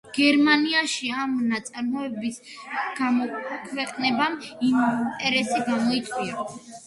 გერმანიაში ამ ნაწარმოების გამოქვეყნებამ ინტერესი გამოიწვია.